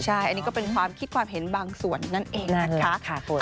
ใช่อันนี้ก็เป็นความคิดความเห็นบางส่วนนั่นเองนะคะ